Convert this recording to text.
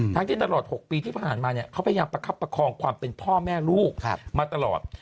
ที่ตลอด๖ปีที่ผ่านมาเนี่ยเขาพยายามประคับประคองความเป็นพ่อแม่ลูกมาตลอด